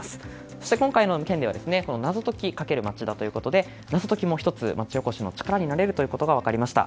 そして、今回の件で謎解き×町田ということで謎解きも１つ町おこしの力になれることが分かりました。